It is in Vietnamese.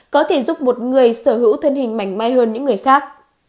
có thể giúp một người sở hữu thân hình mảnh may hơn những người khác